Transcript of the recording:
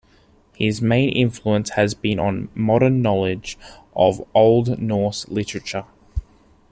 His main influence has been on modern knowledge of Old Norse literature.